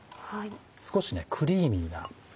少しクリーミーな。